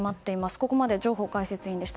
ここまで上法解説委員でした。